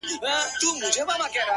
چپ سه چـــپ ســــه نور مــه ژاړه،